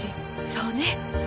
そうね。